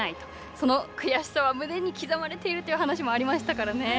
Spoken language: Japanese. その悔しさは胸に刻まれているという話もありましたからね。